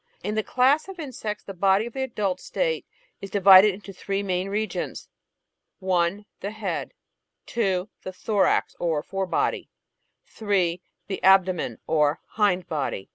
In the class of Insects the body in the adult state is divided into three main regions: (1) the head; (2) the thorax or fore body; (3) the abdomen or hind body.